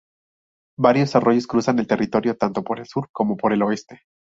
Varios arroyos cruzan el territorio tanto por el sur como por el oeste.